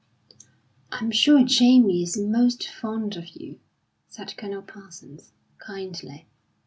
"I'm sure Jamie is most fond of you," said Colonel Parsons, kindly.